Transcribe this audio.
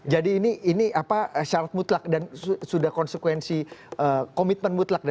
jadi ini syarat mutlak dan sudah konsekuensi komitmen mutlak